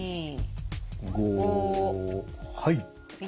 はい。